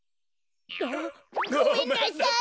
ごめんなさい！